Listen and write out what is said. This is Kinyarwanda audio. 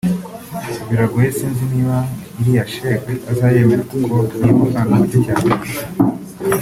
Biragoye sinzi niba iriya sheki azayemera kuko ni amafaranga make cyane